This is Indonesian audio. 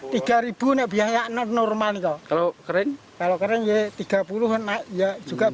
tapi saat ini hancur ya